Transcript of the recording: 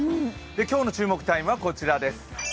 今日の注目タイムはこちらです。